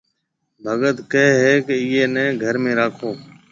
ڀگت ڪھيََََ ھيَََ ڪہ ايئيَ نيَ گھر ۾ راکو